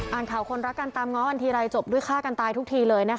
ข่าวคนรักกันตามง้อกันทีไรจบด้วยฆ่ากันตายทุกทีเลยนะคะ